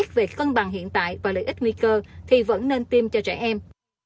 nếu trẻ mắc nên xét về cân bằng hiện tại và lợi ích nguy cơ thì vẫn nên tiêm cho trẻ em